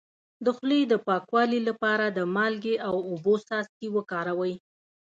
د خولې د پاکوالي لپاره د مالګې او اوبو څاڅکي وکاروئ